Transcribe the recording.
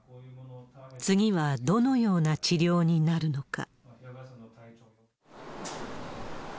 次はどのような治療になるのか。